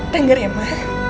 denger ya ma